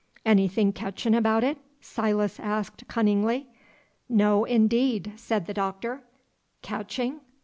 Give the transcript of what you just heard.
"Anything ketchin' about it?" Silas asked, cunningly. "No, indeed!" said the Doctor, "catching?